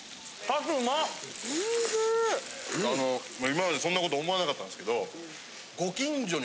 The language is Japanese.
今までそんな事思わなかったんすけど。